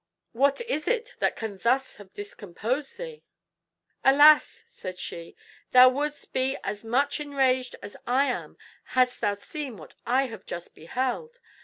What is it that can thus have discomposed thee?" "Alas," said she, "thou wouldst be as much enraged as I am hadst thou seen what I have just beheld.